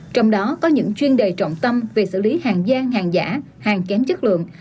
trong đó có những chuyên đề trọng tâm về xử lý hàng gian hàng giả hàng kém chất lượng